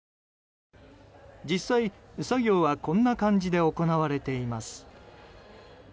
実際作業はこんな感じで行われています。